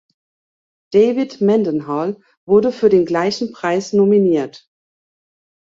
David Mendenhall wurde für den gleichen Preis nominiert.